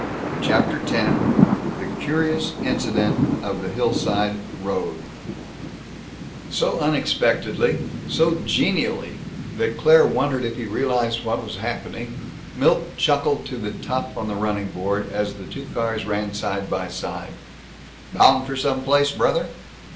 CHAPTER X THE CURIOUS INCIDENT OF THE HILLSIDE ROAD So unexpectedly, so genially, that Claire wondered if he realized what was happening, Milt chuckled to the tough on the running board, as the two cars ran side by side, "Bound for some place, brother?"